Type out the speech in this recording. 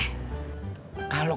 kalo abang kagak kerja